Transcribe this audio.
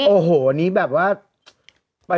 โอ้โหอันนี้แบบว่า